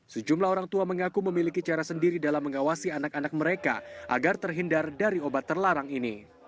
sejumlah orang tua mengaku memiliki cara sendiri dalam mengawasi anak anak mereka agar terhindar dari obat terlarang ini